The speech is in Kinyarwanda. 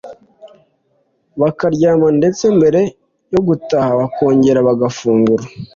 bakaryama ndetse mbere yo gutaha bakongera bagafungura